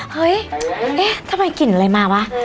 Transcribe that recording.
เฮ้ยเอ๊ะทำไมกลิ่นอะไรมาวะ